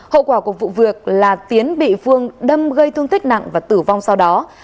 hậu quả của vụ việc là tiến bị phương đâm gây thương tích nặng và tử vong sau đó